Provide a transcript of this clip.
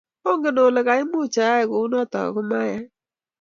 Ongen Ole kiamuchi ayai kounoto ago mayai